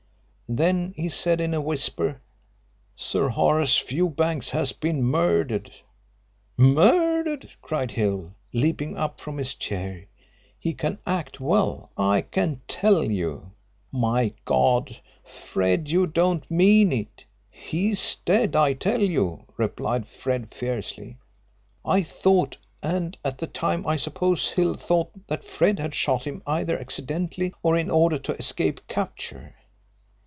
Then he said in a whisper: 'Sir Horace Fewbanks has been murdered!' 'Murdered!' cried Hill, leaping up from his chair he can act well, I can tell you 'My God, Fred, you don't mean it!' 'He's dead, I tell you,' replied Fred fiercely. I thought, and at the time I suppose Hill thought, that Fred had shot him either accidentally or in order to escape capture.